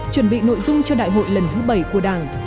chuẩn bị nội dung cho đại hội lần thứ bảy của đảng